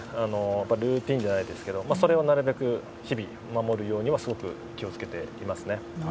ルーティンじゃないですけどそれは日々、守るようにはすごく気を付けていますね。